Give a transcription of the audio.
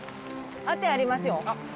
当てありますよ。